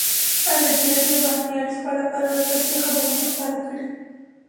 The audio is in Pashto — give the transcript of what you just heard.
ازادي راډیو د بهرنۍ اړیکې په اړه پرله پسې خبرونه خپاره کړي.